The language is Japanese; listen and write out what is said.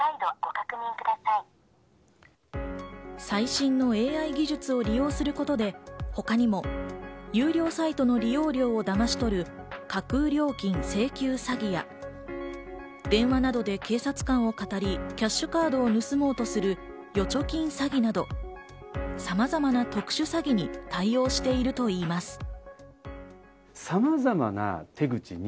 最新のＡＩ技術を利用することで、他にも有料サイトの利用料をだまし取る架空料金請求詐欺や、電話などで警察官を語り、キャッシュカードを盗もうとする預貯金詐欺など、さまざまな特殊詐欺に対応しているといいます。